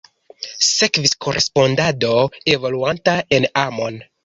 Sekvis korespondado evoluanta en amon.